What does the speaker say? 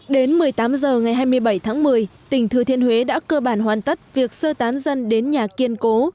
đến một mươi tám h ngày hai mươi bảy tháng một mươi tỉnh thừa thiên huế đã cơ bản hoàn tất việc sơ tán dân đến nhà kiên cố